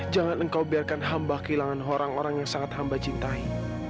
jangan engkau biarkan hamba kehilangan orang orang yang sangat hamba cintai